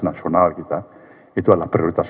nasional kita itu adalah prioritas